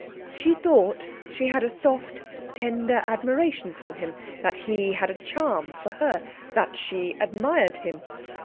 She thought she had a soft, tender admiration for him, that he had a charm for her; that she admired him.